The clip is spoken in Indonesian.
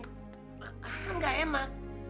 kan ga emak